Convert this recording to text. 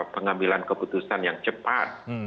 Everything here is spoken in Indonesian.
pengambilan keputusan yang cepat